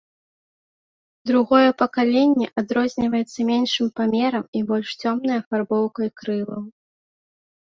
Другое пакаленне адрозніваецца меншым памерам і больш цёмнай афарбоўкай крылаў.